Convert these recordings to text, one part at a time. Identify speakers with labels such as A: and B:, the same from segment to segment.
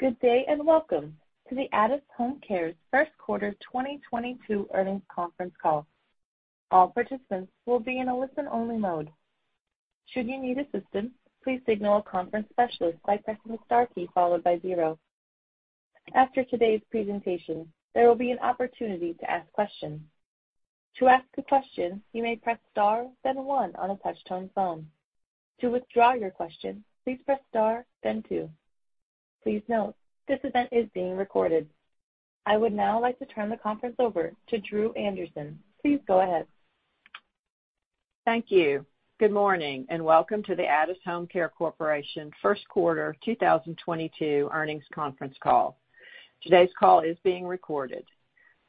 A: Good day, and Welcome to the Addus HomeCare first quarter 2022 earnings conference call. All participants will be in a listen-only mode. Should you need assistance, please signal a conference specialist by pressing the star key followed by zero. After today's presentation, there will be an opportunity to ask questions. To ask a question, you may press star, then one on a touch-tone phone. To withdraw your question, please press star, then two. Please note, this event is being recorded. I would now like to turn the conference over to Dru Anderson. Please go ahead.
B: Thank you. Good morning, and Welcome to the Addus HomeCare Corporation first quarter 2022 earnings conference call. Today's call is being recorded.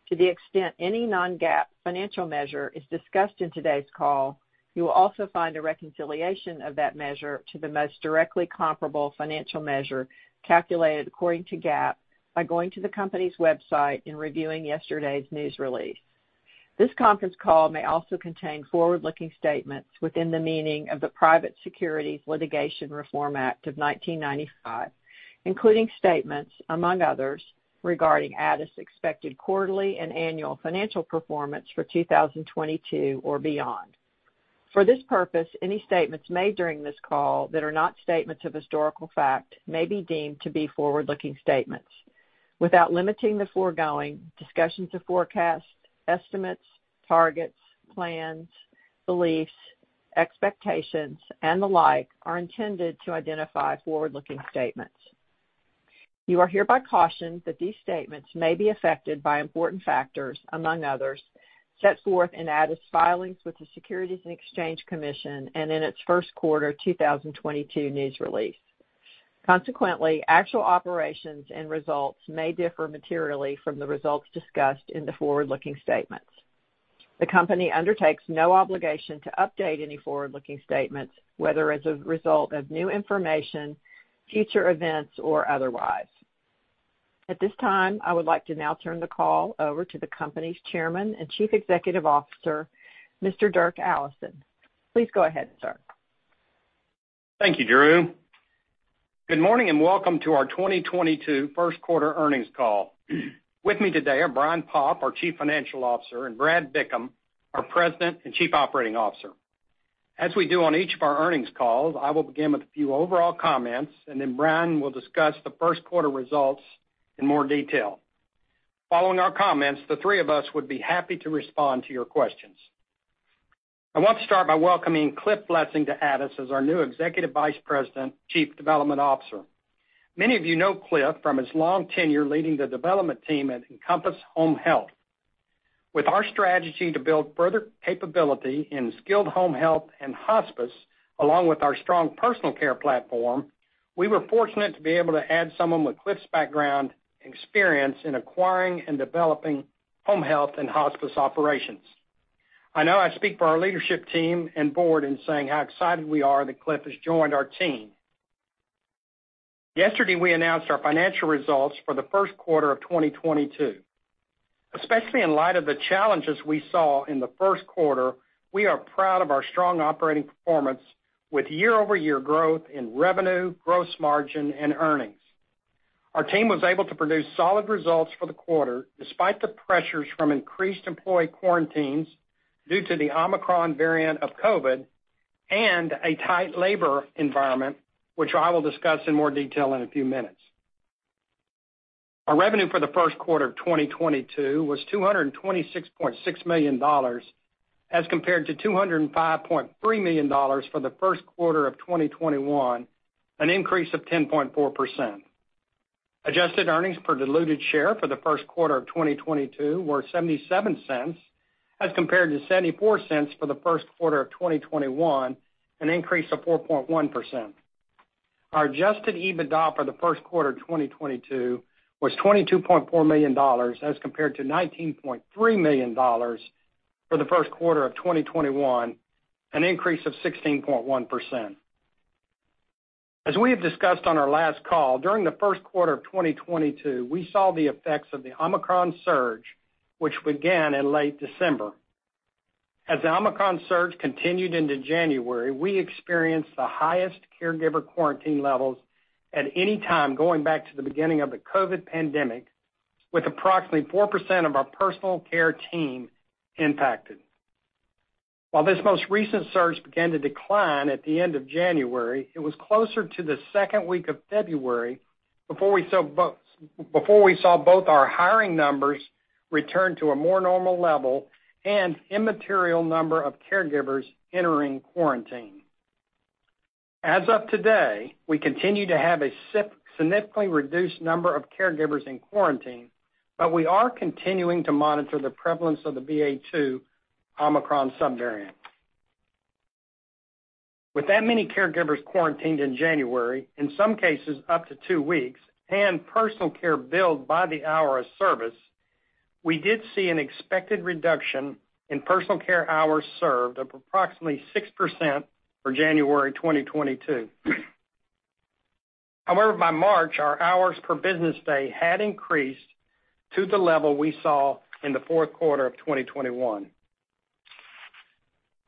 B: To the extent any non-GAAP financial measure is discussed in today's call, you will also find a reconciliation of that measure to the most directly comparable financial measure calculated according to GAAP by going to the company's website and reviewing yesterday's news release. This conference call may also contain forward-looking statements within the meaning of the Private Securities Litigation Reform Act of 1995, including statements, among others, regarding Addus' expected quarterly and annual financial performance for 2022 or beyond. For this purpose, any statements made during this call that are not statements of historical fact may be deemed to be forward-looking statements. Without limiting the foregoing, discussions of forecasts, estimates, targets, plans, beliefs, expectations, and the like are intended to identify forward-looking statements. You are hereby cautioned that these statements may be affected by important factors, among others, set forth in Addus filings with the Securities and Exchange Commission and in its first quarter 2022 news release. Consequently, actual operations and results may differ materially from the results discussed in the forward-looking statements. The company undertakes no obligation to update any forward-looking statements, whether as a result of new information, future events, or otherwise. At this time, I would like to now turn the call over to the company's Chairman and Chief Executive Officer, Mr. Dirk Allison. Please go ahead, sir.
C: Thank you, Dru. Good morning, and welcome to our 2022 first quarter earnings call. With me today are Brian Popp, our Chief Financial Officer, and Brad Bickham, our President and Chief Operating Officer. As we do on each of our earnings calls, I will begin with a few overall comments, and then Brian will discuss the first quarter results in more detail. Following our comments, the three of us would be happy to respond to your questions. I want to start by welcoming Cliff Blessing to Addus as our new Executive Vice President, Chief Development Officer. Many of you know Cliff from his long tenure leading the development team at Encompass Health. With our strategy to build further capability in skilled home health and hospice, along with our strong personal care platform, we were fortunate to be able to add someone with Cliff's background and experience in acquiring and developing home health and hospice operations. I know I speak for our leadership team and board in saying how excited we are that Cliff has joined our team. Yesterday, we announced our financial results for the first quarter of 2022. Especially in light of the challenges we saw in the first quarter, we are proud of our strong operating performance with year-over-year growth in revenue, gross margin, and earnings. Our team was able to produce solid results for the quarter despite the pressures from increased employee quarantines due to the Omicron variant of COVID and a tight labor environment, which I will discuss in more detail in a few minutes. Our revenue for the first quarter of 2022 was $226.6 million as compared to $205.3 million for the first quarter of 2021, an increase of 10.4%. Adjusted earnings per diluted share for the first quarter of 2022 were $0.77 as compared to $0.74 for the first quarter of 2021, an increase of 4.1%. Our adjusted EBITDA for the first quarter of 2022 was $22.4 million as compared to $19.3 million for the first quarter of 2021, an increase of 16.1%. We have discussed on our last call, during the first quarter of 2022, we saw the effects of the Omicron surge which began in late December. As the Omicron surge continued into January, we experienced the highest caregiver quarantine levels at any time going back to the beginning of the COVID pandemic, with approximately 4% of our personal care team impacted. While this most recent surge began to decline at the end of January, it was closer to the second week of February before we saw both our hiring numbers return to a more normal level and immaterial number of caregivers entering quarantine. As of today, we continue to have a significantly reduced number of caregivers in quarantine, but we are continuing to monitor the prevalence of the BA.2 Omicron subvariant. With that many caregivers quarantined in January, in some cases up to two weeks, and personal care billed by the hour of service, we did see an expected reduction in personal care hours served of approximately 6% for January 2022. However, by March, our hours per business day had increased to the level we saw in the fourth quarter of 2021.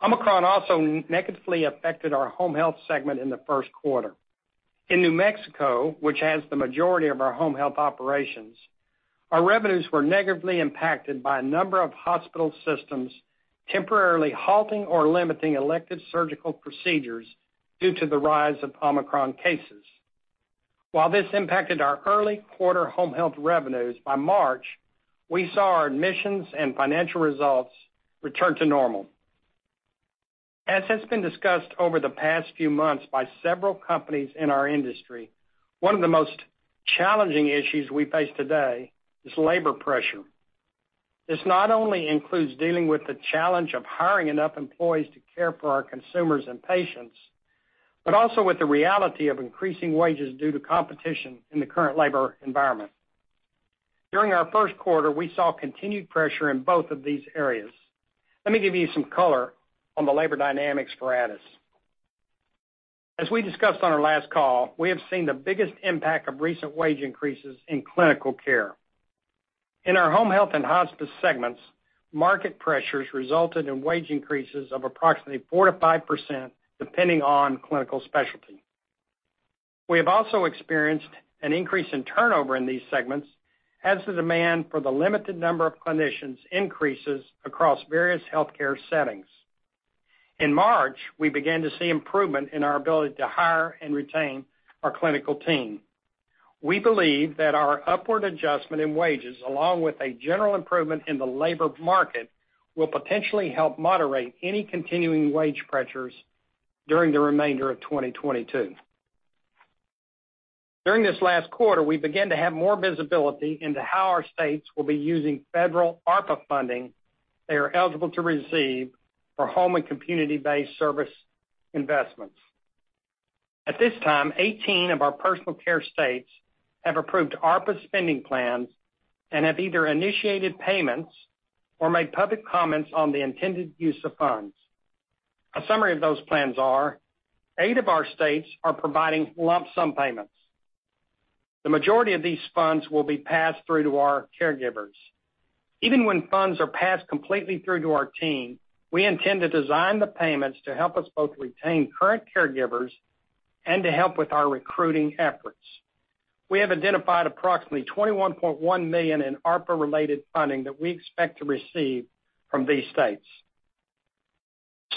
C: Omicron also negatively affected our home health segment in the first quarter. In New Mexico, which has the majority of our home health operations, our revenues were negatively impacted by a number of hospital systems temporarily halting or limiting elective surgical procedures due to the rise of Omicron cases. While this impacted our early quarter home health revenues, by March, we saw our admissions and financial results return to normal. As has been discussed over the past few months by several companies in our industry, one of the most challenging issues we face today is labor pressure. This not only includes dealing with the challenge of hiring enough employees to care for our consumers and patients, but also with the reality of increasing wages due to competition in the current labor environment. During our first quarter, we saw continued pressure in both of these areas. Let me give you some color on the labor dynamics for Addus. As we discussed on our last call, we have seen the biggest impact of recent wage increases in clinical care. In our home health and hospice segments, market pressures resulted in wage increases of approximately 4%-5% depending on clinical specialty. We have also experienced an increase in turnover in these segments as the demand for the limited number of clinicians increases across various healthcare settings. In March, we began to see improvement in our ability to hire and retain our clinical team. We believe that our upward adjustment in wages, along with a general improvement in the labor market, will potentially help moderate any continuing wage pressures during the remainder of 2022. During this last quarter, we began to have more visibility into how our states will be using federal ARPA funding they are eligible to receive for home and community-based service investments. At this time, 18 of our personal care states have approved ARPA spending plans and have either initiated payments or made public comments on the intended use of funds. A summary of those plans are. Eight of our states are providing lump sum payments. The majority of these funds will be passed through to our caregivers. Even when funds are passed completely through to our team, we intend to design the payments to help us both retain current caregivers and to help with our recruiting efforts. We have identified approximately $21.1 million in ARPA-related funding that we expect to receive from these states.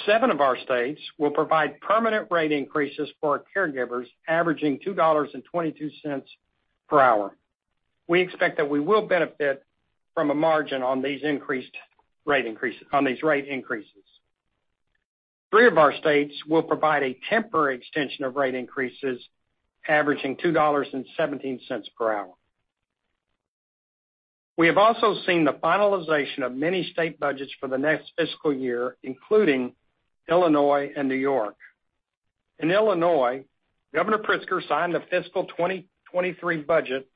C: Seven of our states will provide permanent rate increases for our caregivers, averaging $2.22 per hour. We expect that we will benefit from a margin on these rate increases. Three of our states will provide a temporary extension of rate increases averaging $2.17 per hour. We have also seen the finalization of many state budgets for the next fiscal year, including Illinois and New York. In Illinois, Governor Pritzker signed the fiscal 2023 budget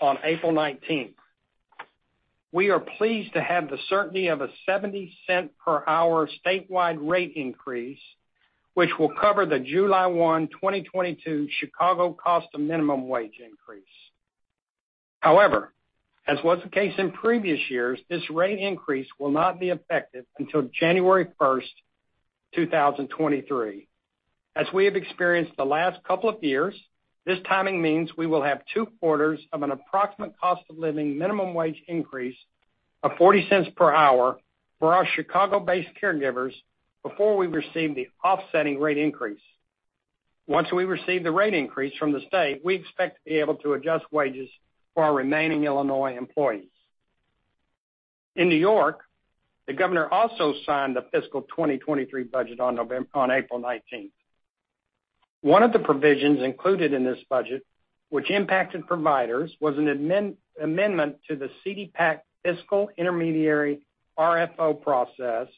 C: on April 19th, 2022. We are pleased to have the certainty of a $0.70 per hour statewide rate increase, which will cover the July 1, 2022, Chicago cost of minimum wage increase. However, as was the case in previous years, this rate increase will not be effective until January 1st, 2023. As we have experienced the last couple of years, this timing means we will have two quarters of an approximate cost of living minimum wage increase of $0.40 per hour for our Chicago-based caregivers before we receive the offsetting rate increase. Once we receive the rate increase from the state, we expect to be able to adjust wages for our remaining Illinois employees. In New York, the governor also signed the fiscal 2023 budget on April 19th, 2022. One of the provisions included in this budget, which impacted providers, was an amendment to the CDPAP fiscal intermediary RFO process,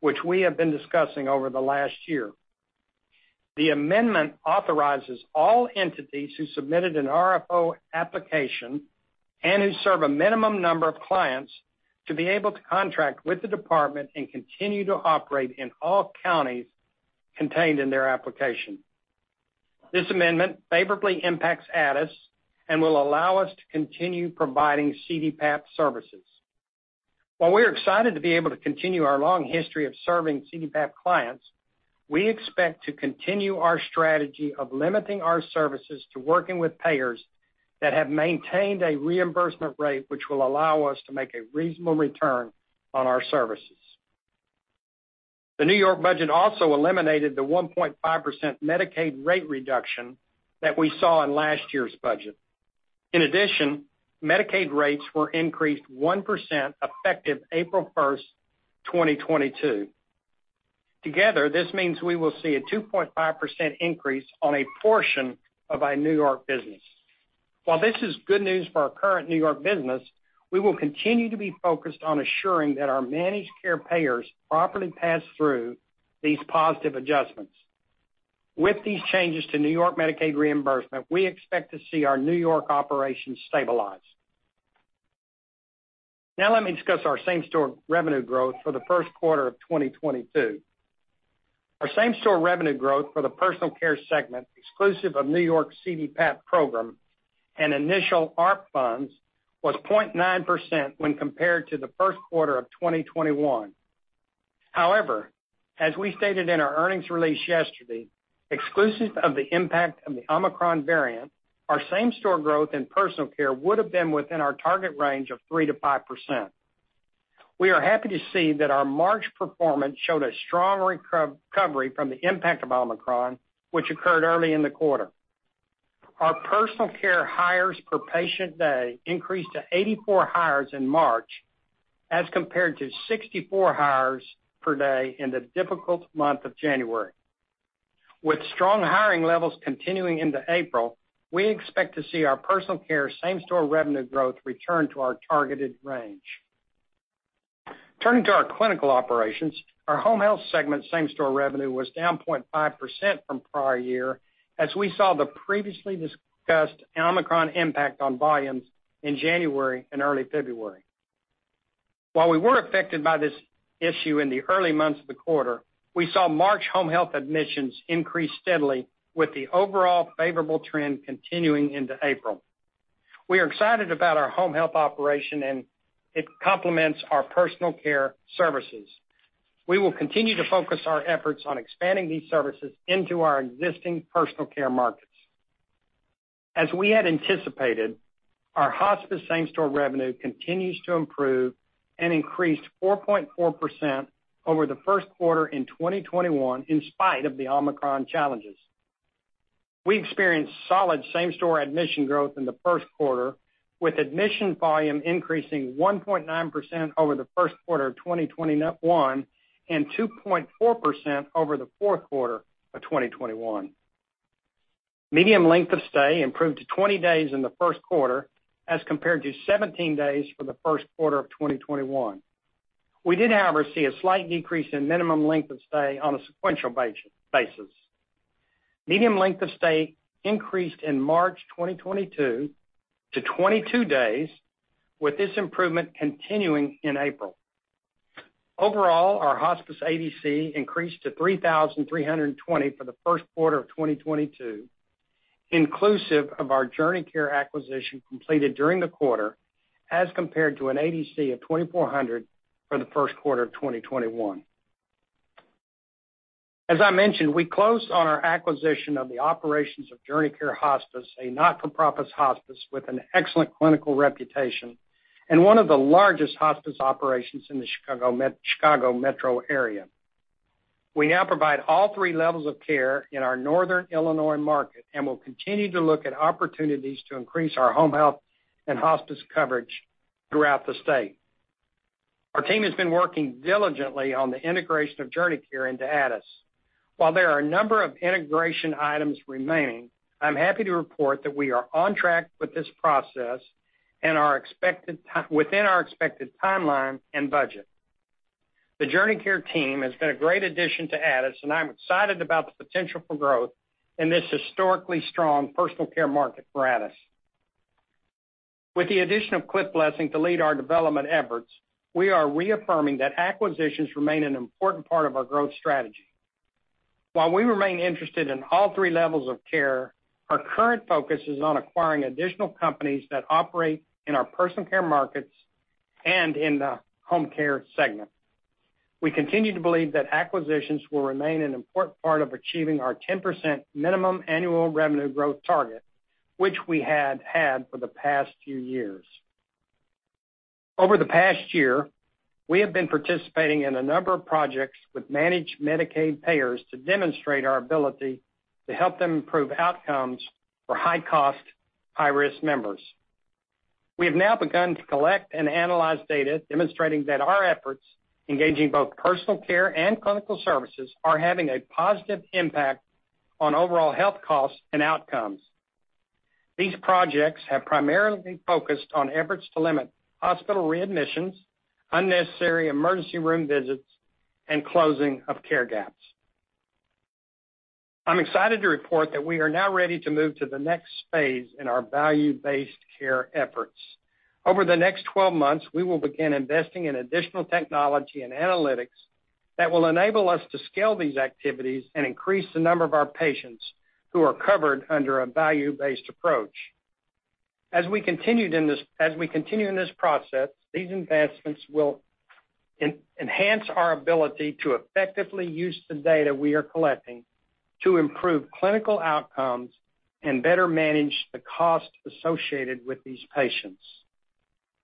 C: which we have been discussing over the last year. The amendment authorizes all entities who submitted an RFO application and who serve a minimum number of clients to be able to contract with the department and continue to operate in all counties contained in their application. This amendment favorably impacts Addus and will allow us to continue providing CDPAP services. While we're excited to be able to continue our long history of serving CDPAP clients, we expect to continue our strategy of limiting our services to working with payers that have maintained a reimbursement rate which will allow us to make a reasonable return on our services. The New York budget also eliminated the 1.5% Medicaid rate reduction that we saw in last year's budget. In addition, Medicaid rates were increased 1% effective April 1st, 2022. Together, this means we will see a 2.5% increase on a portion of our New York business. While this is good news for our current New York business, we will continue to be focused on assuring that our managed care payers properly pass through these positive adjustments. With these changes to New York Medicaid reimbursement, we expect to see our New York operations stabilize. Now let me discuss our same-store revenue growth for the first quarter of 2022. Our same-store revenue growth for the personal care segment, exclusive of New York's CDPAP program and initial ARPA funds, was 0.9% when compared to the first quarter of 2021. However, as we stated in our earnings release yesterday, exclusive of the impact of the Omicron variant, our same-store growth in personal care would have been within our target range of 3%-5%. We are happy to see that our March performance showed a strong recovery from the impact of Omicron, which occurred early in the quarter. Our personal care hires per patient day increased to 84 hires in March as compared to 64 hires per day in the difficult month of January. With strong hiring levels continuing into April, we expect to see our personal care same-store revenue growth return to our targeted range. Turning to our clinical operations, our home health segment same-store revenue was down 0.5% from prior year as we saw the previously discussed Omicron impact on volumes in January and early February. While we were affected by this issue in the early months of the quarter, we saw March home health admissions increase steadily with the overall favorable trend continuing into April. We are excited about our home health operation, and it complements our personal care services. We will continue to focus our efforts on expanding these services into our existing personal care markets. As we had anticipated, our hospice same-store revenue continues to improve and increased 4.4% over the first quarter of 2021, in spite of the Omicron challenges. We experienced solid same-store admission growth in the first quarter, with admission volume increasing 1.9% over the first quarter of 2021 and 2.4% over the fourth quarter of 2021. Median length of stay improved to 20 days in the first quarter as compared to 17 days for the first quarter of 2021. We did, however, see a slight decrease in minimum length of stay on a sequential basis. Median length of stay increased in March 2022 to 22 days, with this improvement continuing in April. Overall, our hospice ADC increased to 3,320 for the first quarter of 2022, inclusive of our JourneyCare acquisition completed during the quarter, as compared to an ADC of 2,400 for the first quarter of 2021. As I mentioned, we closed on our acquisition of the operations of JourneyCare Hospice, a not-for-profit hospice with an excellent clinical reputation and one of the largest hospice operations in the Chicago metro area. We now provide all three levels of care in our Northern Illinois market and will continue to look at opportunities to increase our home health and hospice coverage throughout the state. Our team has been working diligently on the integration of JourneyCare into Addus. While there are a number of integration items remaining, I'm happy to report that we are on track with this process and are expected within our expected timeline and budget. The JourneyCare team has been a great addition to Addus, and I'm excited about the potential for growth in this historically strong personal care market for Addus. With the addition of Cliff Blessing to lead our development efforts, we are reaffirming that acquisitions remain an important part of our growth strategy. While we remain interested in all three levels of care, our current focus is on acquiring additional companies that operate in our personal care markets and in the home care segment. We continue to believe that acquisitions will remain an important part of achieving our 10% minimum annual revenue growth target, which we had had for the past few years. Over the past year, we have been participating in a number of projects with managed Medicaid payers to demonstrate our ability to help them improve outcomes for high-cost, high-risk members. We have now begun to collect and analyze data demonstrating that our efforts, engaging both personal care and clinical services, are having a positive impact on overall health costs and outcomes. These projects have primarily focused on efforts to limit hospital readmissions, unnecessary emergency room visits, and closing of care gaps. I'm excited to report that we are now ready to move to the next phase in our value-based care efforts. Over the next 12 months, we will begin investing in additional technology and analytics that will enable us to scale these activities and increase the number of our patients who are covered under a value-based approach. As we continue in this process, these investments will enhance our ability to effectively use the data we are collecting to improve clinical outcomes and better manage the cost associated with these patients.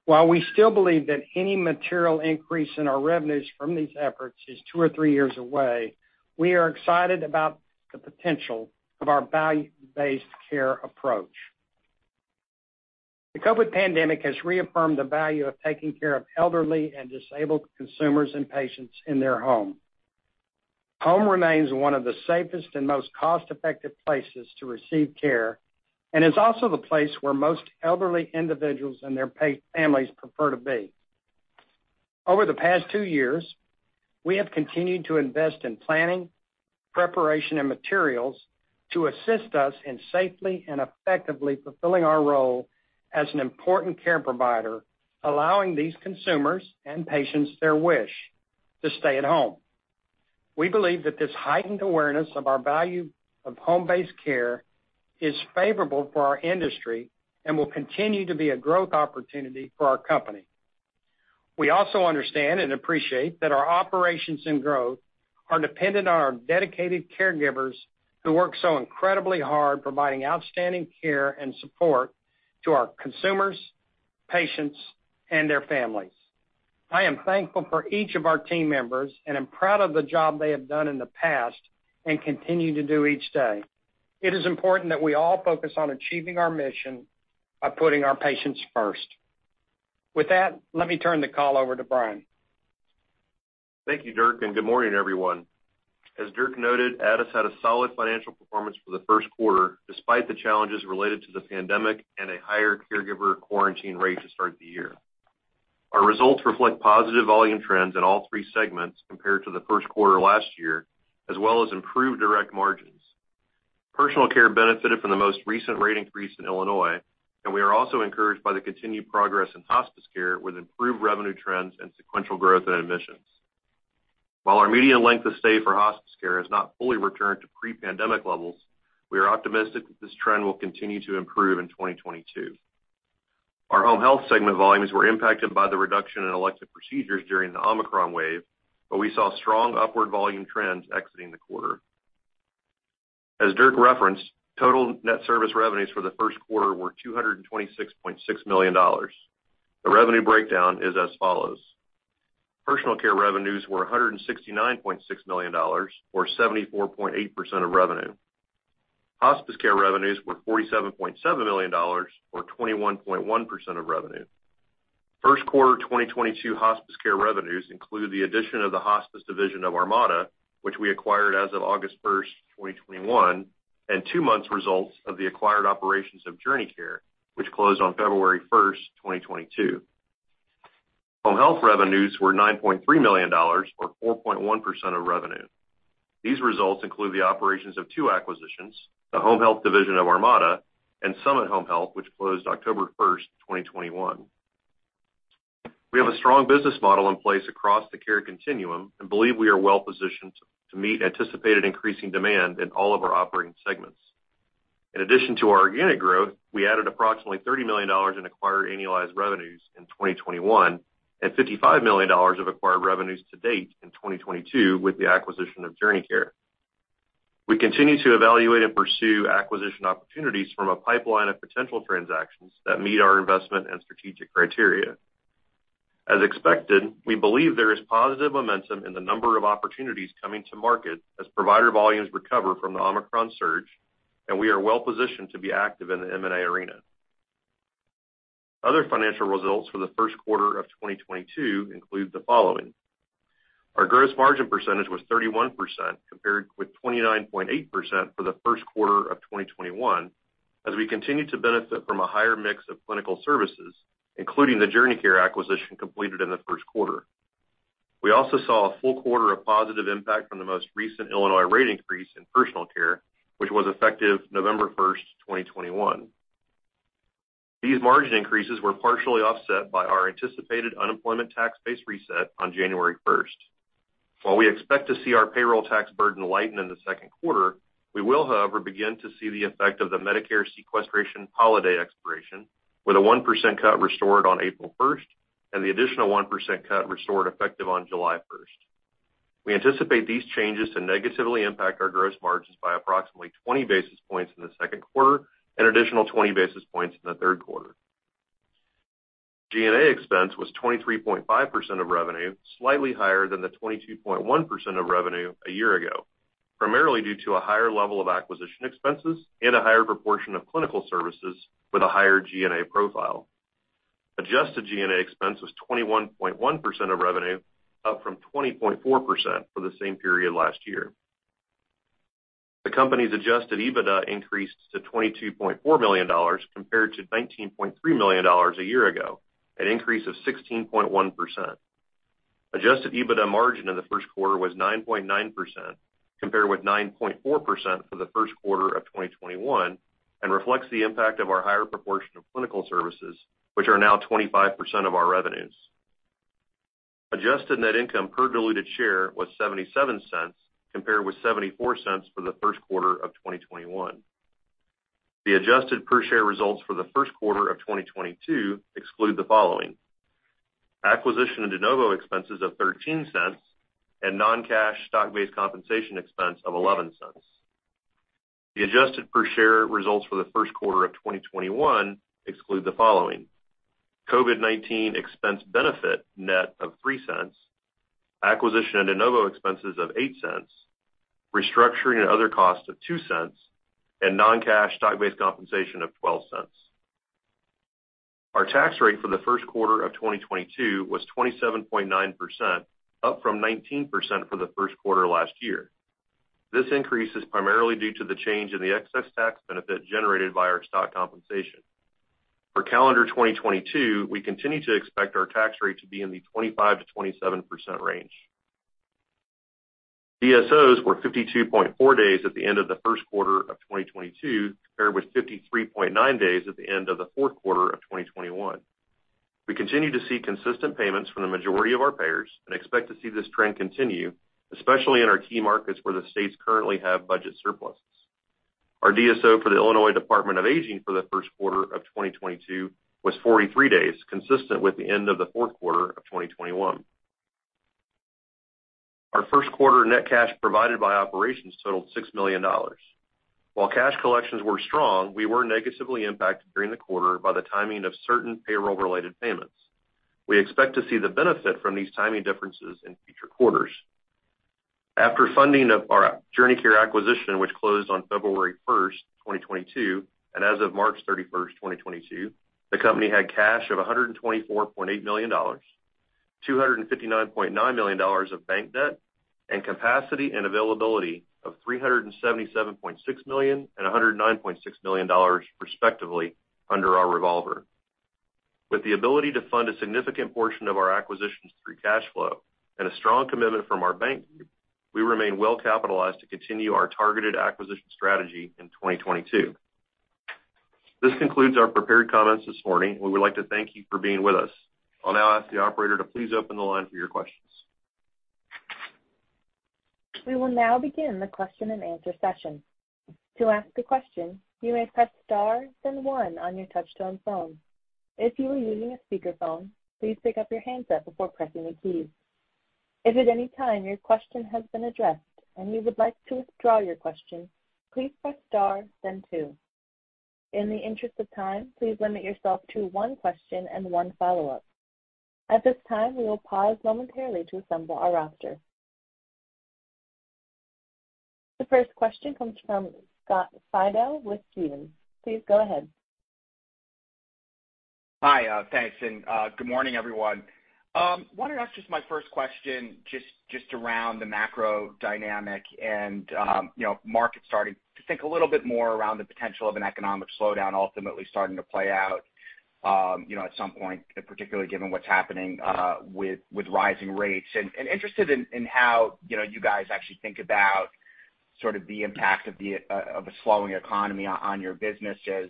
C: While we still believe that any material increase in our revenues from these efforts is two or three years away, we are excited about the potential of our value-based care approach. The COVID pandemic has reaffirmed the value of taking care of elderly and disabled consumers and patients in their home. Home remains one of the safest and most cost-effective places to receive care and is also the place where most elderly individuals and their families prefer to be. Over the past two years, we have continued to invest in planning, preparation, and materials to assist us in safely and effectively fulfilling our role as an important care provider, allowing these consumers and patients their wish to stay at home. We believe that this heightened awareness of our value of home-based care is favorable for our industry and will continue to be a growth opportunity for our company. We also understand and appreciate that our operations and growth are dependent on our dedicated caregivers who work so incredibly hard providing outstanding care and support to our consumers, patients, and their families. I am thankful for each of our team members, and I'm proud of the job they have done in the past and continue to do each day. It is important that we all focus on achieving our mission by putting our patients first. With that, let me turn the call over to Brian.
D: Thank you, Dirk, and good morning, everyone. As Dirk noted, Addus had a solid financial performance for the first quarter, despite the challenges related to the pandemic and a higher caregiver quarantine rate to start the year. Our results reflect positive volume trends in all three segments compared to the first quarter last year, as well as improved direct margins. Personal care benefited from the most recent rate increase in Illinois, and we are also encouraged by the continued progress in hospice care, with improved revenue trends and sequential growth in admissions. While our median length of stay for hospice care has not fully returned to pre-pandemic levels, we are optimistic that this trend will continue to improve in 2022. Our home health segment volumes were impacted by the reduction in elective procedures during the Omicron wave, but we saw strong upward volume trends exiting the quarter. As Dirk referenced, total net service revenues for the first quarter were $226.6 million. The revenue breakdown is as follows. Personal care revenues were $169.6 million, or 74.8% of revenue. Hospice care revenues were $47.7 million, or 21.1% of revenue. First quarter 2022 hospice care revenues include the addition of the hospice division of Armada, which we acquired as of August 1st, 2021, and two months results of the acquired operations of JourneyCare, which closed on February 1st, 2022. Home health revenues were $9.3 million, or 4.1% of revenue. These results include the operations of two acquisitions, the home health division of Armada and Summit Home Health, which closed October 1st, 2021. We have a strong business model in place across the care continuum and believe we are well-positioned to meet anticipated increasing demand in all of our operating segments. In addition to our organic growth, we added approximately $30 million in acquired annualized revenues in 2021 and $55 million of acquired revenues to date in 2022 with the acquisition of JourneyCare. We continue to evaluate and pursue acquisition opportunities from a pipeline of potential transactions that meet our investment and strategic criteria. As expected, we believe there is positive momentum in the number of opportunities coming to market as provider volumes recover from the Omicron surge, and we are well-positioned to be active in the M&A arena. Other financial results for the first quarter of 2022 include the following. Our gross margin percentage was 31%, compared with 29.8% for the first quarter of 2021, as we continue to benefit from a higher mix of clinical services, including the JourneyCare acquisition completed in the first quarter. We also saw a full quarter of positive impact from the most recent Illinois rate increase in personal care, which was effective November 1st, 2021. These margin increases were partially offset by our anticipated unemployment tax-based reset on January 1st, 2022. While we expect to see our payroll tax burden lighten in the second quarter, we will, however, begin to see the effect of the Medicare sequestration holiday expiration, with a 1% cut restored on April 1st, 2022 and the additional 1% cut restored effective on July 1st, 2022. We anticipate these changes to negatively impact our gross margins by approximately 20 basis points in the second quarter and additional 20 basis points in the third quarter. G&A expense was 23.5% of revenue, slightly higher than the 22.1% of revenue a year ago, primarily due to a higher level of acquisition expenses and a higher proportion of clinical services with a higher G&A profile. Adjusted G&A expense was 21.1% of revenue, up from 20.4% for the same period last year. The company's adjusted EBITDA increased to $22.4 million, compared to $19.3 million a year ago, an increase of 16.1%. Adjusted EBITDA margin in the first quarter was 9.9%, compared with 9.4% for the first quarter of 2021, and reflects the impact of our higher proportion of clinical services, which are now 25% of our revenues. Adjusted net income per diluted share was $0.77, compared with $0.74 for the first quarter of 2021. The adjusted per share results for the first quarter of 2022 exclude the following: acquisition and de novo expenses of $0.13 and non-cash stock-based compensation expense of $0.11. The adjusted per share results for the first quarter of 2021 exclude the following: COVID-19 expense benefit net of $0.03, acquisition and de novo expenses of $0.08, restructuring and other costs of $0.02, and non-cash stock-based compensation of $0.12. Our tax rate for the first quarter of 2022 was 27.9%, up from 19% for the first quarter last year. This increase is primarily due to the change in the excess tax benefit generated by our stock compensation. For calendar 2022, we continue to expect our tax rate to be in the 25%-27% range. DSOs were 52.4 days at the end of the first quarter of 2022, compared with 53.9 days at the end of the fourth quarter of 2021. We continue to see consistent payments from the majority of our payers and expect to see this trend continue, especially in our key markets where the states currently have budget surpluses. Our DSO for the Illinois Department on Aging for the first quarter of 2022 was 43 days, consistent with the end of the fourth quarter of 2021. Our first quarter net cash provided by operations totaled $6 million. While cash collections were strong, we were negatively impacted during the quarter by the timing of certain payroll-related payments. We expect to see the benefit from these timing differences in future quarters. After funding of our JourneyCare acquisition, which closed on February 1st, 2022, and as of March 31st, 2022, the company had cash of $124.8 million, $259.9 million of bank debt, and capacity and availability of $377.6 million and $109.6 million, respectively, under our revolver. With the ability to fund a significant portion of our acquisitions through cash flow and a strong commitment from our bank group, we remain well capitalized to continue our targeted acquisition strategy in 2022. This concludes our prepared comments this morning. We would like to thank you for being with us. I'll now ask the operator to please open the line for your questions.
A: We will now begin the question-and-answer session. To ask a question, you may press star then one on your touchtone phone. If you are using a speakerphone, please pick up your handset before pressing the keys. If at any time your question has been addressed and you would like to withdraw your question, please press star then two. In the interest of time, please limit yourself to one question and one follow-up. At this time, we will pause momentarily to assemble our roster. The first question comes from Scott Fidel with Stephens. Please go ahead.
E: Hi, thanks and good morning, everyone. Wanted to ask just my first question around the macro dynamic and you know, markets starting to think a little bit more around the potential of an economic slowdown ultimately starting to play out you know, at some point, particularly given what's happening with rising rates. Interested in how you know, you guys actually think about sort of the impact of a slowing economy on your business as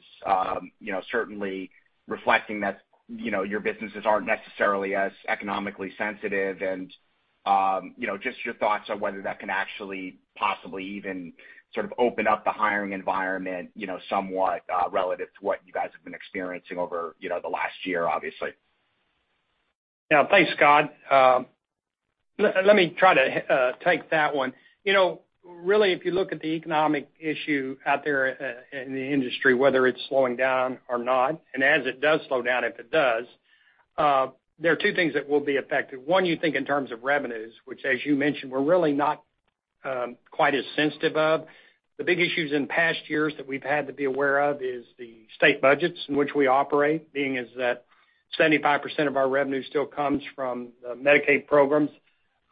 E: you know, certainly reflecting that you know, your businesses aren't necessarily as economically sensitive. You know, just your thoughts on whether that can actually possibly even sort of open up the hiring environment you know, somewhat relative to what you guys have been experiencing over you know, the last year, obviously.
C: Yeah. Thanks, Scott. Let me try to take that one. You know, really, if you look at the economic issue out there in the industry, whether it's slowing down or not, and as it does slow down, if it does, there are two things that will be affected. One, you think in terms of revenues, which as you mentioned, we're really not quite as sensitive of. The big issues in past years that we've had to be aware of is the state budgets in which we operate, being as that 75% of our revenue still comes from Medicaid programs.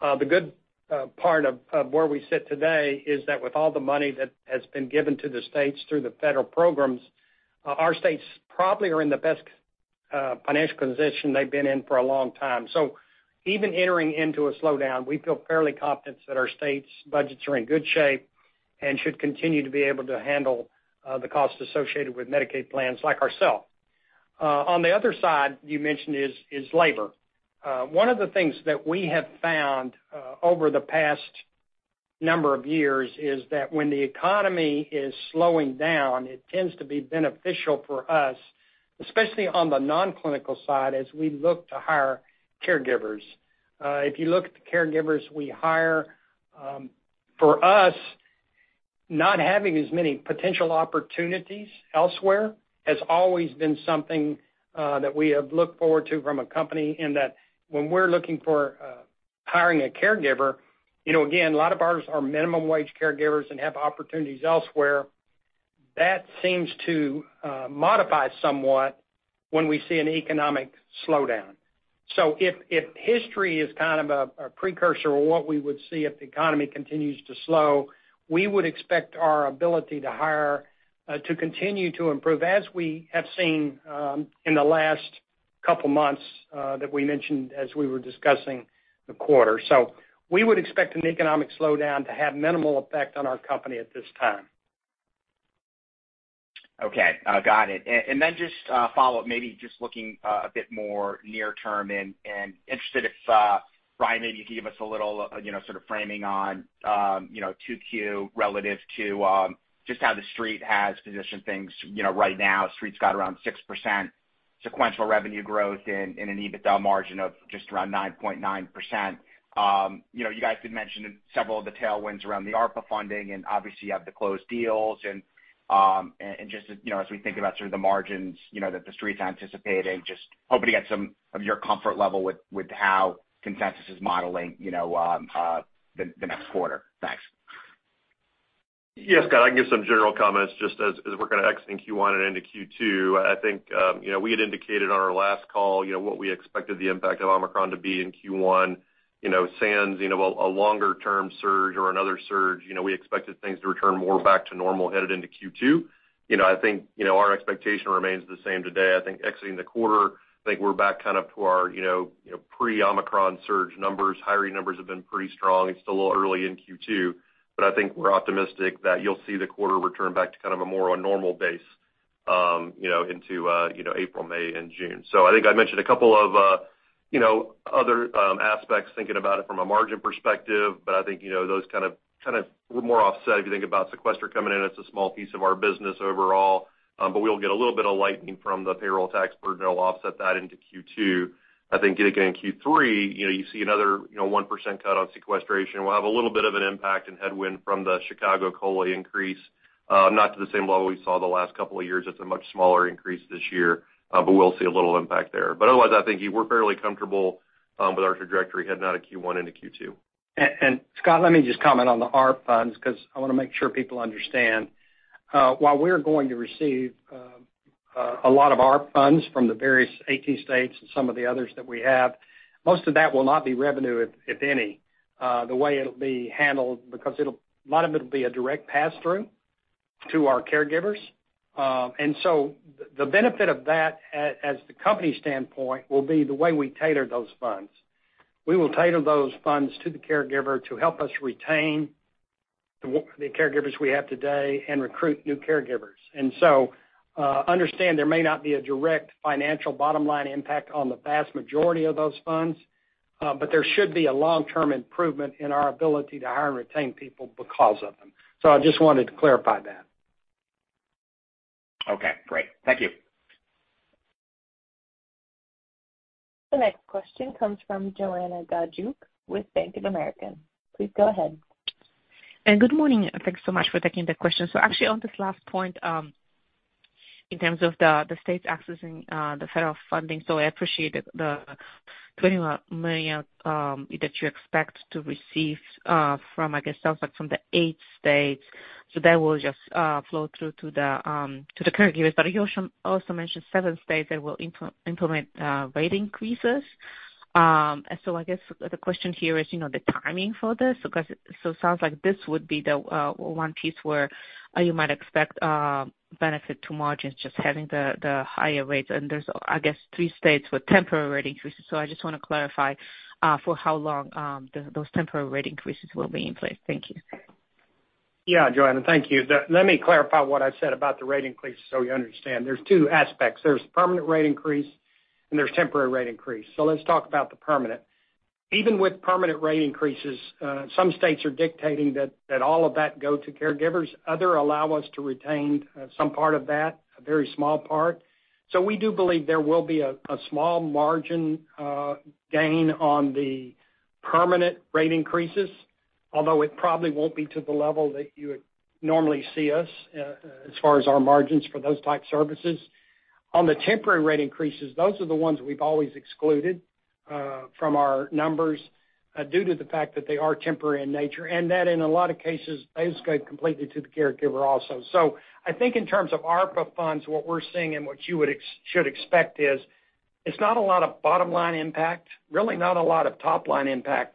C: The good part of where we sit today is that with all the money that has been given to the states through the federal programs, our states probably are in the best financial position they've been in for a long time. Even entering into a slowdown, we feel fairly confident that our states' budgets are in good shape and should continue to be able to handle the costs associated with Medicaid plans like ourselves. On the other side you mentioned is labor. One of the things that we have found over the past number of years is that when the economy is slowing down, it tends to be beneficial for us, especially on the non-clinical side, as we look to hire caregivers. If you look at the caregivers we hire, for us, not having as many potential opportunities elsewhere has always been something that we have looked forward to from a company in that when we're looking for hiring a caregiver, you know, again, a lot of ours are minimum wage caregivers and have opportunities elsewhere. That seems to modify somewhat when we see an economic slowdown. If history is kind of a precursor of what we would see if the economy continued to slow, we would expect our ability to hire to continue to improve, as we have seen in the last couple months that we mentioned as we were discussing the quarter. We would expect an economic slowdown to have minimal effect on our company at this time.
E: Okay. Got it. Just a follow-up, maybe just looking a bit more near term and interested if, Brian, maybe you could give us a little, you know, sort of framing on, you know, 2Q relative to, just how the Street has positioned things, you know, right now. The Street's got around 6% sequential revenue growth and an EBITDA margin of just around 9.9%. You know, you guys did mention several of the tailwinds around the ARPA funding, and obviously you have the closed deals. Just as, you know, as we think about sort of the margins, you know, that the Street's anticipating, just hoping to get some of your comfort level with how consensus is modeling, you know, the next quarter. Thanks.
D: Yes, Scott. I can give some general comments just as we're kind of exiting Q1 and into Q2. I think, you know, we had indicated on our last call, you know, what we expected the impact of Omicron to be in Q1. You know, sans, you know, a longer-term surge or another surge, you know, we expected things to return more back to normal headed into Q2. You know, I think, you know, our expectation remains the same today. I think exiting the quarter, I think we're back kind of to our, you know, you know, pre-Omicron surge numbers. Hiring numbers have been pretty strong. It's still a little early in Q2, but I think we're optimistic that you'll see the quarter return back to kind of a more normal base, you know, into, you know, April, May and June. I think I mentioned a couple of, you know, other aspects thinking about it from a margin perspective, but I think, you know, those kind of were more offset if you think about sequestration coming in. It's a small piece of our business overall. We'll get a little bit of lightening from the payroll tax burden that'll offset that into Q2. I think, again, in Q3, you know, you see another, you know, 1% cut on sequestration. We'll have a little bit of a headwind from the Chicago COLA increase, not to the same level we saw the last couple of years. It's a much smaller increase this year, but we'll see a little impact there. Otherwise, I think we're fairly comfortable with our trajectory heading out of Q1 into Q2.
C: Scott, let me just comment on the ARPA funds because I wanna make sure people understand. While we're going to receive a lot of ARPA funds from the various states and some of the others that we have, most of that will not be revenue, if any. The way it'll be handled, because a lot of it'll be a direct pass-through to our caregivers. The benefit of that as the company standpoint will be the way we tailor those funds. We will tailor those funds to the caregiver to help us retain the caregivers we have today and recruit new caregivers. Understand there may not be a direct financial bottom line impact on the vast majority of those funds, but there should be a long-term improvement in our ability to hire and retain people because of them. I just wanted to clarify that.
F: Okay, great. Thank you.
A: The next question comes from Joanna Gajuk with Bank of America. Please go ahead.
G: Good morning, and thanks so much for taking the question. Actually, on this last point, in terms of the state's accessing the federal funding. I appreciate the $21 million that you expect to receive from, I guess, sounds like from the eight states. That will just flow through to the caregivers. You also mentioned seven states that will implement rate increases. I guess the question here is, you know, the timing for this, because it sounds like this would be the one piece where you might expect benefit to margins just having the higher rates. There's, I guess, three states with temporary rate increases. I just wanna clarify for how long those temporary rate increases will be in place. Thank you.
C: Yeah. Joanna, thank you. Let me clarify what I said about the rate increase so you understand. There's two aspects. There's permanent rate increase and there's temporary rate increase. Let's talk about the permanent. Even with permanent rate increases, some states are dictating that all of that go to caregivers, others allow us to retain some part of that, a very small part. We do believe there will be a small margin gain on the permanent rate increases, although it probably won't be to the level that you would normally see us as far as our margins for those type services. On the temporary rate increases, those are the ones we've always excluded from our numbers due to the fact that they are temporary in nature, and that in a lot of cases, they just go completely to the caregiver also. I think in terms of ARPA funds, what we're seeing and what you should expect is it's not a lot of bottom line impact, really not a lot of top line impact,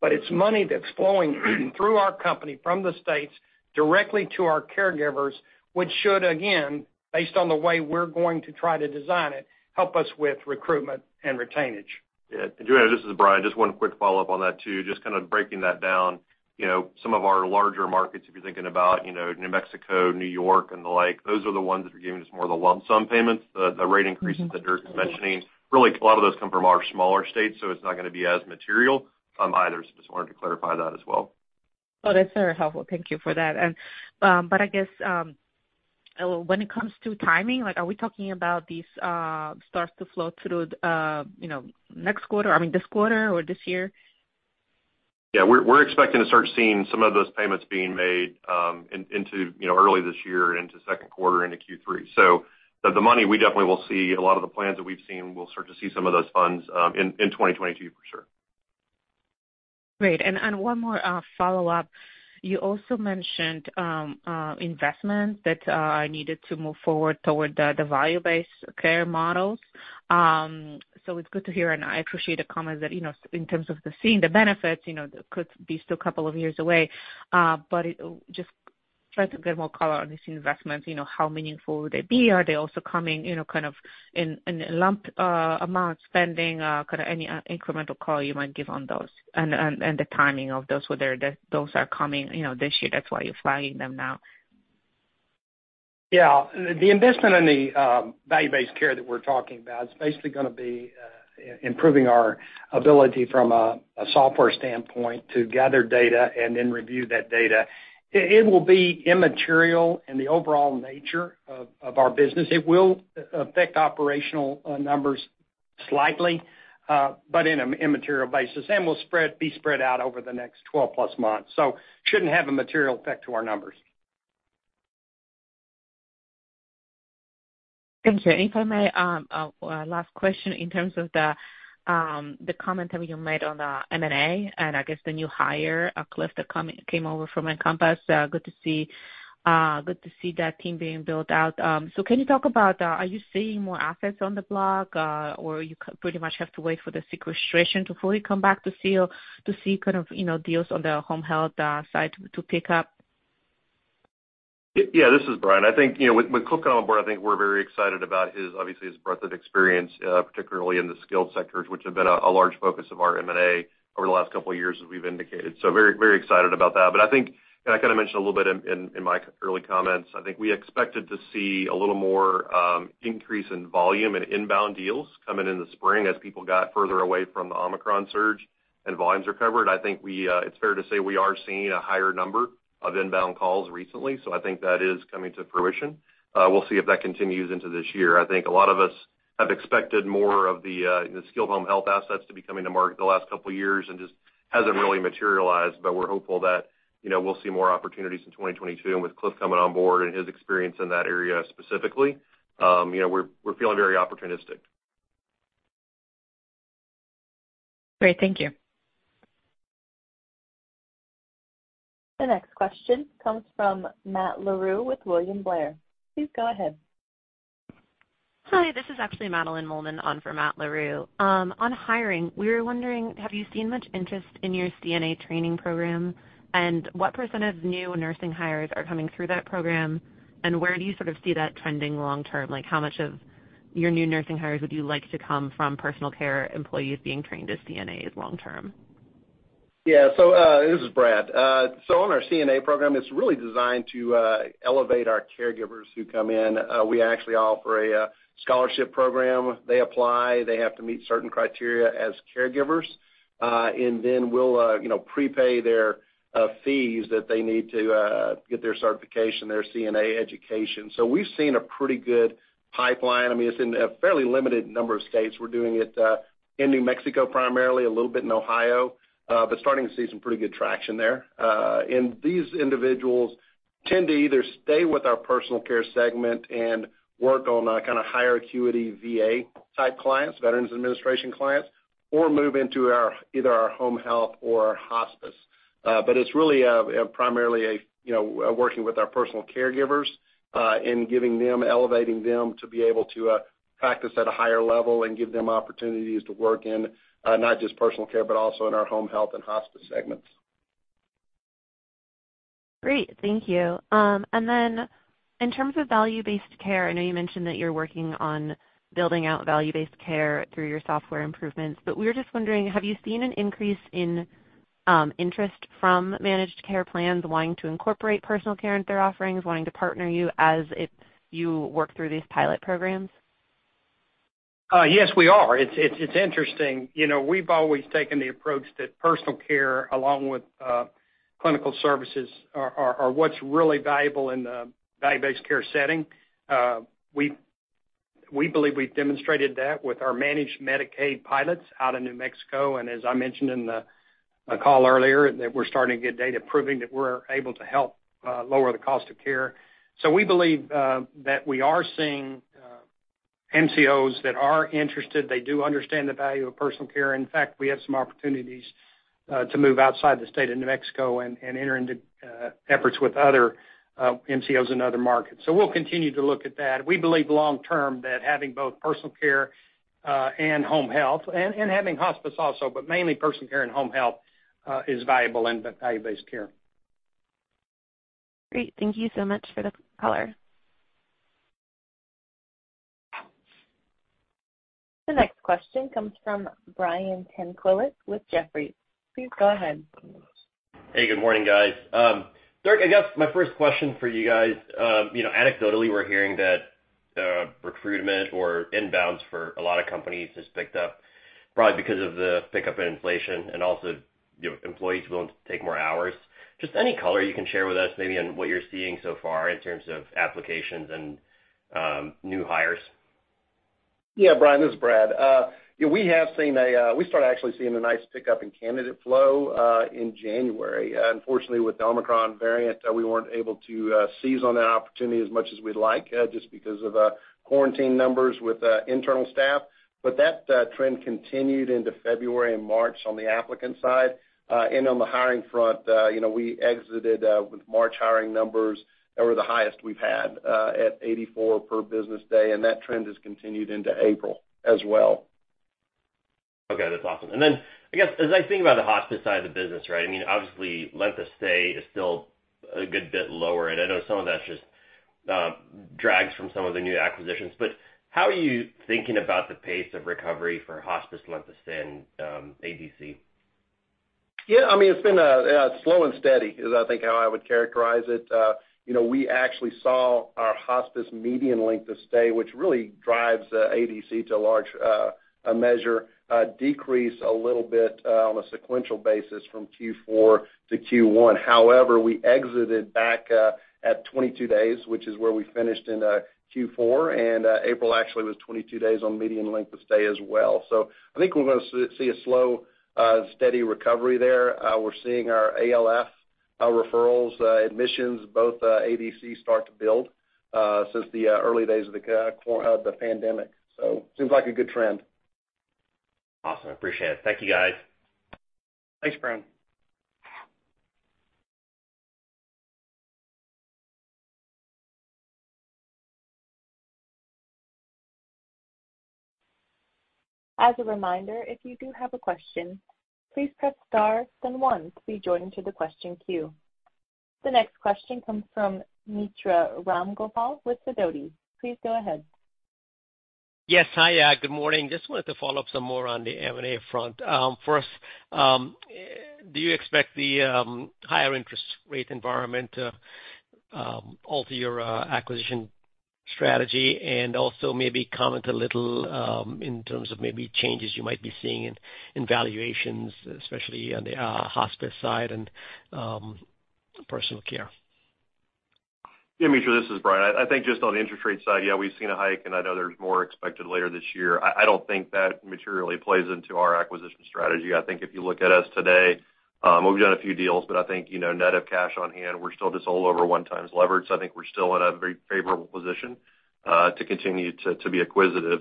C: but it's money that's flowing through our company from the states directly to our caregivers, which should again, based on the way we're going to try to design it, help us with recruitment and retention.
D: Yeah. Joanna, this is Brian. Just one quick follow-up on that too. Just kind of breaking that down. You know, some of our larger markets, if you're thinking about, you know, New Mexico, New York and the like, those are the ones that are giving us more the lump sum payments, the rate increases that Dirk's mentioning. Really, a lot of those come from our smaller states, so it's not going to be as material, either. Just wanted to clarify that as well.
G: Oh, that's very helpful. Thank you for that. I guess, when it comes to timing, like are we talking about these starts to flow through, you know, next quarter, I mean this quarter or this year?
D: Yeah. We're expecting to start seeing some of those payments being made into you know early this year into second quarter into Q3. So, the money we definitely will see a lot of the plans that we've seen. We'll start to see some of those funds in 2022 for sure.
G: Great. One more follow-up. You also mentioned investment that are needed to move forward toward the value-based care models. It's good to hear, and I appreciate the comments that, you know, in terms of seeing the benefits, you know, could be still a couple of years away, but just try to get more color on these investments, you know, how meaningful would they be? Are they also coming, you know, kind of in a lump amount spending, kind of any incremental color you might give on those and the timing of those, whether those are coming, you know, this year. That's why you're flagging them now.
C: Yeah. The investment in the value-based care that we're talking about is basically going to be improving our ability from a software standpoint to gather data and then review that data. It will be immaterial in the overall nature of our business. It will affect operational numbers slightly, but on an immaterial basis, and will be spread out over the next 12+ months. Shouldn't have a material effect on our numbers.
G: Thank you. If I may, last question in terms of the comment that you made on the M&A and I guess the new hire, Cliff, that came over from Encompass. Good to see. Good to see that team being built out. Can you talk about, are you seeing more assets on the block, or pretty much have to wait for the sequestration to fully come back to see kind of, you know, deals on the home health side to pick up?
D: Yeah, this is Brian. I think, you know, with Cliff coming on board, I think we're very excited about his, obviously, his breadth of experience, particularly in the skilled sectors, which have been a large focus of our M&A over the last couple years as we've indicated. So very, very excited about that. I think, and I kind of mentioned a little bit in my early comments, I think we expected to see a little more increase in volume and inbound deals coming in the spring as people got further away from the Omicron surge and volumes recovered. I think it's fair to say we are seeing a higher number of inbound calls recently, so I think that is coming to fruition. We'll see if that continues into this year.
H: I think a lot of us have expected more of the, you know, skilled home health assets to be coming to market the last couple years and just hasn't really materialized, but we're hopeful that, you know, we'll see more opportunities in 2022. With Cliff coming on board and his experience in that area specifically, you know, we're feeling very opportunistic.
I: Great. Thank you.
A: The next question comes from Matt Larew with William Blair. Please go ahead.
J: Hi, this is actually Madeline Mollman on for Matt Larew. On hiring, we were wondering, have you seen much interest in your CNA training program? What percent of new nursing hires are coming through that program, and where do you sort of see that trending long term? Like, how much of your new nursing hires would you like to come from personal care employees being trained as CNAs long term?
H: This is Brad. On our CNA program, it's really designed to elevate our caregivers who come in. We actually offer a scholarship program. They apply, they have to meet certain criteria as caregivers, and then we'll, you know, prepay their fees that they need to get their certification, their CNA education. We've seen a pretty good pipeline. I mean, it's in a fairly limited number of states. We're doing it in New Mexico, primarily, a little bit in Ohio, but starting to see some pretty good traction there. These individuals tend to either stay with our personal care segment and work on a kinda higher acuity VA-type clients, Veterans Administration clients, or move into either our home health or our hospice. It's really primarily a, you know, working with our personal caregivers and elevating them to be able to practice at a higher level and give them opportunities to work in not just personal care, but also in our home health and hospice segments.
J: Great. Thank you. Then in terms of value-based care, I know you mentioned that you're working on building out value-based care through your software improvements, but we were just wondering, have you seen an increase in interest from managed care plans wanting to incorporate personal care into their offerings, wanting to partner you as you work through these pilot programs?
C: Yes, we are. It's interesting. You know, we've always taken the approach that personal care, along with clinical services are what's really valuable in the value-based care setting. We believe we've demonstrated that with our managed Medicaid pilots out of New Mexico, and as I mentioned in the call earlier, that we're starting to get data proving that we're able to help lower the cost of care. We believe that we are seeing MCOs that are interested. They do understand the value of personal care. In fact, we have some opportunities to move outside the state of New Mexico and enter into efforts with other MCOs in other markets. We'll continue to look at that. We believe long-term that having both personal care and home health, and having hospice also, but mainly personal care and home health, is valuable in the value-based care.
J: Great. Thank you so much for the color.
A: The next question comes from Brian Tanquilut with Jefferies. Please go ahead.
I: Hey, good morning, guys. Dirk, I guess my first question for you guys, you know, anecdotally, we're hearing that recruitment or inbounds for a lot of companies has picked up probably because of the pickup in inflation and also, you know, employees willing to take more hours. Just any color you can share with us maybe on what you're seeing so far in terms of applications and new hires.
H: Yeah, Brian, this is Brad. Yeah, we started actually seeing a nice pickup in candidate flow in January. Unfortunately, with the Omicron variant, we weren't able to seize on that opportunity as much as we'd like just because of quarantine numbers with internal staff. That trend continued into February and March on the applicant side. On the hiring front, you know, we exited with March hiring numbers that were the highest we've had at 84 per business day, and that trend has continued into April as well.
I: Okay, that's awesome. I guess, as I think about the hospice side of the business, right, I mean, obviously length of stay is still a good bit lower, and I know some of that's just drags from some of the new acquisitions. How are you thinking about the pace of recovery for hospice length of stay and ADC?
H: Yeah, I mean, it's been slow and steady is I think how I would characterize it. You know, we actually saw our hospice median length of stay, which really drives ADC to a large measure, decrease a little bit on a sequential basis from Q4 to Q1. However, we exited back at 22 days, which is where we finished in Q4, and April actually was 22 days on median length of stay as well. I think we're gonna see a slow steady recovery there. We're seeing our ALF referrals, admissions, both ADC start to build since the early days of the pandemic. Seems like a good trend.
I: Awesome. Appreciate it. Thank you, guys.
C: Thanks, Brian.
A: As a reminder, if you do have a question, please press star then one to be joined to the question queue. The next question comes from Mitra Ramgopal with Sidoti. Please go ahead.
K: Yes. Hi, good morning. Just wanted to follow up some more on the M&A front. First, do you expect the higher interest rate environment to alter your acquisition strategy? Also maybe comment a little in terms of maybe changes you might be seeing in valuations, especially on the hospice side and personal care.
D: Yeah, Mitra, this is Brian. I think just on the interest rate side, yeah, we've seen a hike, and I know there's more expected later this year. I don't think that materially plays into our acquisition strategy. I think if you look at us today, we've done a few deals, but I think, you know, net of cash on hand, we're still just all over 1x leverage. I think we're still in a very favorable position to continue to be acquisitive.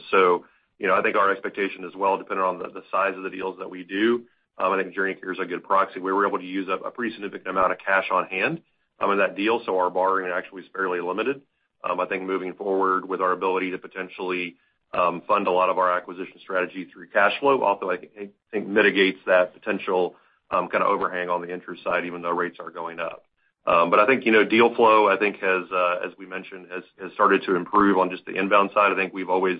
D: You know, I think our expectation as well, depending on the size of the deals that we do, I think JourneyCare is a good proxy. We were able to use up a pretty significant amount of cash on hand in that deal, so our borrowing actually is fairly limited. I think moving forward with our ability to potentially fund a lot of our acquisition strategy through cash flow also I think mitigates that potential kinda overhang on the interest side, even though rates are going up. I think, you know, deal flow I think has as we mentioned started to improve on just the inbound side. I think we've always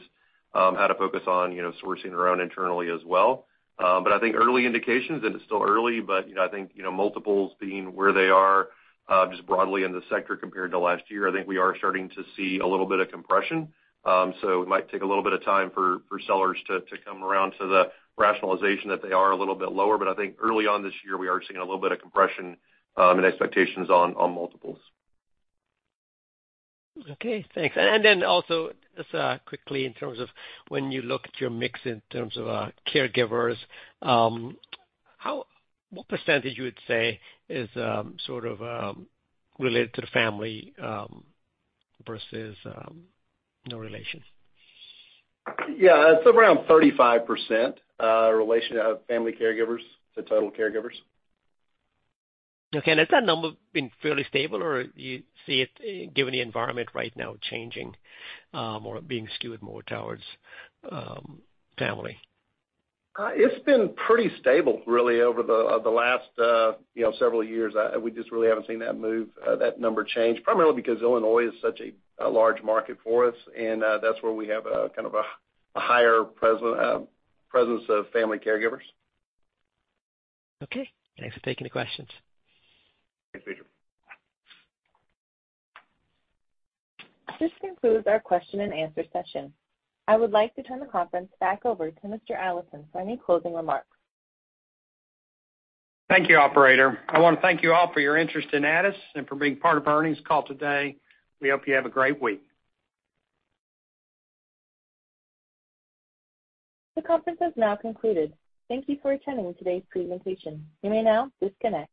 D: had a focus on, you know, sourcing our own internally as well. I think early indications, and it's still early, but, you know, I think, you know, multiples being where they are just broadly in the sector compared to last year, I think we are starting to see a little bit of compression. It might take a little bit of time for sellers to come around to the rationalization that they are a little bit lower. I think early on this year, we are seeing a little bit of compression, and expectations on multiples.
K: Okay, thanks. Then also, just quickly in terms of when you look at your mix in terms of caregivers, what percentage you would say is sort of related to the family versus no relation?
D: Yeah. It's around 35%, ratio of family caregivers to total caregivers.
K: Okay. Has that number been fairly stable or you see it, given the environment right now, changing, or being skewed more towards family?
D: It's been pretty stable really over the last, you know, several years. We just really haven't seen that move, that number change, primarily because Illinois is such a large market for us and that's where we have a kind of a higher presence of family caregivers.
K: Okay. Thanks for taking the questions.
D: Thanks, Mitra.
A: This concludes our question-and-answer session. I would like to turn the conference back over to Mr. Allison for any closing remarks.
C: Thank you, operator. I wanna thank you all for your interest in Addus and for being part of our earnings call today. We hope you have a great week.
A: The conference has now concluded. Thank you for attending today's presentation. You may now disconnect.